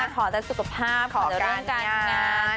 ขอแต่สุขภาพขอการงาน